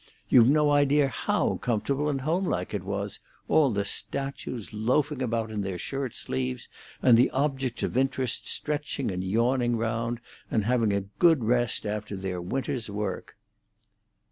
You've no idea how comfortable and home like it was—all the statues loafing about in their shirt sleeves, and the objects of interest stretching and yawning round, and having a good rest after their winter's work."